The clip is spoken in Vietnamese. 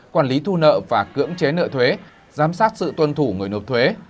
quản lý thu nợ và cưỡng chế nợ thuế giám sát sự tuân thủ người nộp thuế